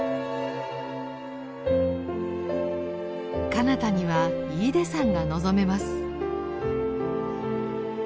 かなたには飯豊山が望めます。